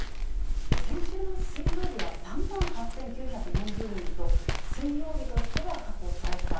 先週の水曜日は３万８９４０人と、水曜日としては過去最多。